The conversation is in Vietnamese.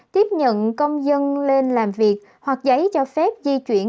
tiếp nhận công dân lên làm việc hoặc giấy cho phép di chuyển